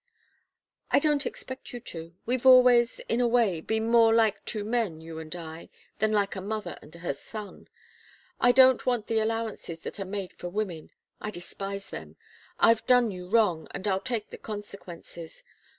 "I don't expect you to. We've always in a way been more like two men, you and I, than like a mother and her son. I don't want the allowances that are made for women. I despise them. I've done you wrong, and I'll take the consequences.